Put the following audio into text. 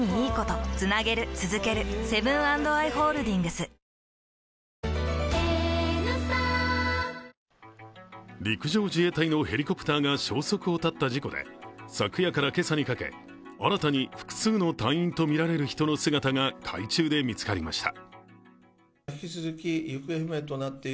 水中カメラとみられるものが海中に沈められる様子も陸上自衛隊のヘリコプターが消息を絶った事故で昨夜から今朝にかけ新たに複数の隊員とみられる人の姿が海中で見つかりました。